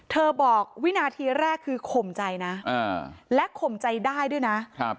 บอกวินาทีแรกคือข่มใจนะและข่มใจได้ด้วยนะ